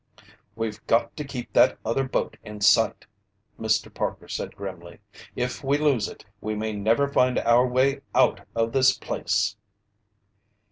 "We've got to keep that other boat in sight!" Mr. Parker said grimly. "If we lose it, we may never find our way out of this place!"